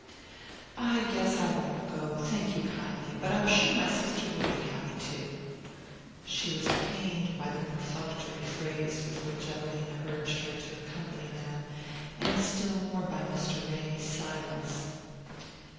"I guess I won't go, thank you kindly; but I'm sure my sister will be happy to." She was pained by the perfunctory phrase with which Evelina urged her to accompany them; and still more by Mr. Ramy's silence.